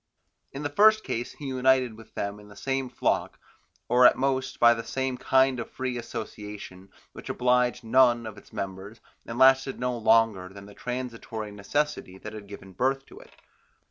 In the first case he united with them in the same flock, or at most by some kind of free association which obliged none of its members, and lasted no longer than the transitory necessity that had given birth to it.